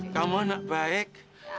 kamu anak baik